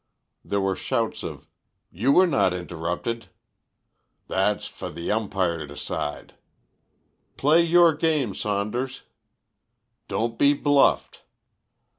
There were shouts of "You were not interrupted," "That's for the umpire to decide," "Play your game, Saunders," "Don't be bluffed."